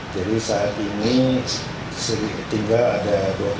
jadi saat ini tinggal ada dua puluh empat